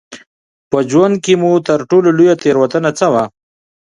په ژوند کې مو تر ټولو لویه تېروتنه څه وه؟